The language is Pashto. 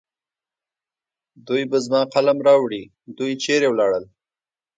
دوی به زما قلم راوړي. دوی چېرې ولاړل؟